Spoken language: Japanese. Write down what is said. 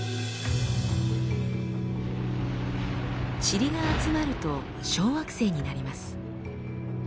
チリが集まると小惑星になります。